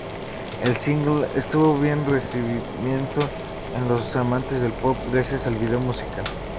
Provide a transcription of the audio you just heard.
El single tuvo buen recibimiento entre los amantes del pop, gracias al video musical.